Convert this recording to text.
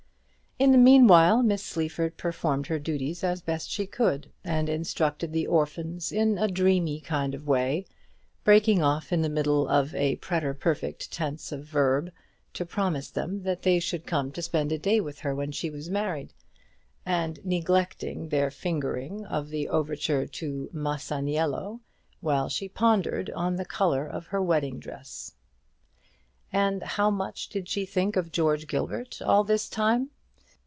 In the meanwhile, Miss Sleaford performed her duties as best she could, and instructed the orphans in a dreamy kind of way, breaking off in the middle of the preterperfect tense of a verb to promise them that they should come to spend a day with her when she was married, and neglecting their fingering of the overture to "Masaniello" while she pondered on the colour of her wedding dress. And how much did she think of George Gilbert all this time?